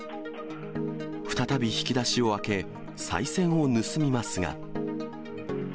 再び引き出しを開け、さい銭を盗みますが。